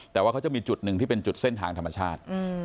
แต่ว่าเขาจะมีจุดหนึ่งที่เป็นจุดเส้นทางธรรมชาติ